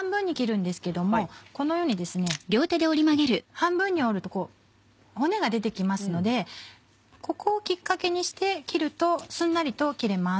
半分に折るとこう骨が出て来ますのでここをきっかけにして切るとすんなりと切れます。